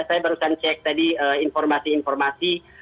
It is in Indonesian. saya barusan cek tadi informasi informasi